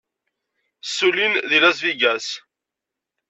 Ssullin deg Las Vegas.